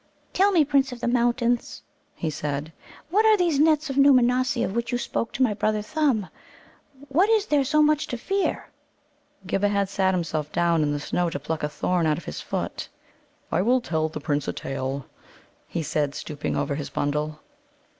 "Tell me, Prince of the Mountains," he said, "what are these nets of Nōōmanossi of which you spoke to my brother Thumb? What is there so much to fear?" Ghibba had sat himself down in the snow to pluck a thorn out of his foot. "I will tell the Prince a tale," he said, stooping over his bundle.